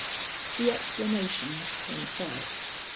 The explanations came first.